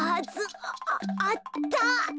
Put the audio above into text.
あああった。